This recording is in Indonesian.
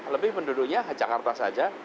lebih penduduknya jakarta saja